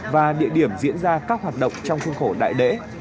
và địa điểm diễn ra các hoạt động trong khuôn khổ đại lễ